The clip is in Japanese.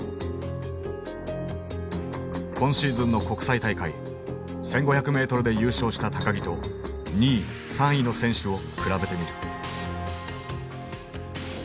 今シーズンの国際大会１，５００ｍで優勝した木と２位３位の選手を比べてみる。